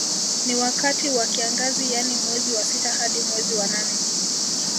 Ni wakati wa kiangazi yani mwezi wa sita hadi mwezi wa nane